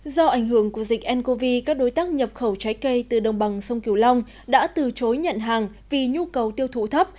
do ảnh hưởng của dịch ncov các đối tác nhập khẩu trái cây từ đồng bằng sông kiều long đã từ chối nhận hàng vì nhu cầu tiêu thụ thấp